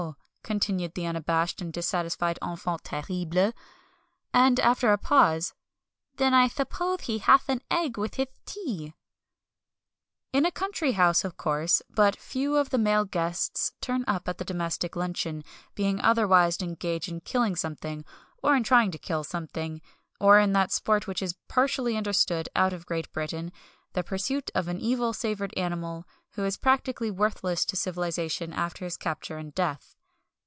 continued the unabashed and dissatisfied enfant terrible. And, after a pause, "then I thuppose he hath an egg with hith tea." In a country house, of course, but few of the male guests turn up at the domestic luncheon, being otherwise engaged in killing something, or in trying to kill something, or in that sport which is but partially understood out of Great Britain the pursuit of an evil savoured animal who is practically worthless to civilisation after his capture and death.